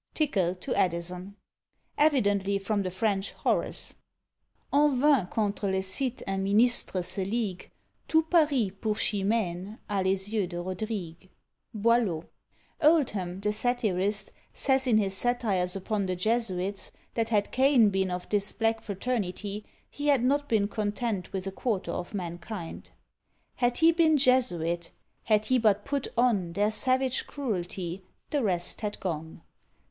TICKELL to ADDISON. Evidently from the French Horace: En vain contre le Cid un ministre se ligue; Tout Paris, pour Chimene, a les yeux de Rodrigue. BOILEAU. Oldham, the satirist, says in his satires upon the Jesuits, that had Cain been of this black fraternity, he had not been content with a quarter of mankind. Had he been Jesuit, _had he but put on Their savage cruelty, the rest had gone!